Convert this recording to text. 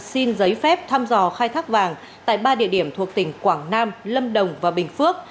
xin giấy phép thăm dò khai thác vàng tại ba địa điểm thuộc tỉnh quảng nam lâm đồng và bình phước